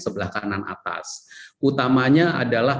sebelah kanan atas utamanya adalah